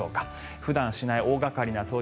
普段しない大掛かりな掃除